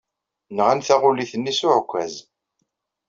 Nɣan taɣulit-nni s uɛekkaz.